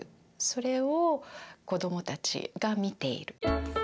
それを子どもたちが見ている。